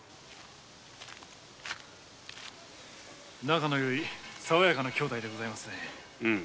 仲の良いさわやかな兄妹でございますね。